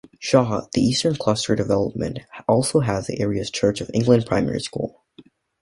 Shaw, the eastern clustered development also has the area's Church of England primary school.